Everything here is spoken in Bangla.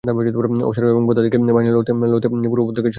অশ্বারোহী এবং পদাতিক বাহিনী লড়তে লড়তে পুরো উপত্যকায় ছড়িয়ে পড়ে।